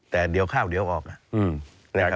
แต่เดี๋ยวข้าวเดี๋ยวออก